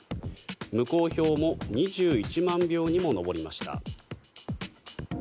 無効票も２１万票にも上りました。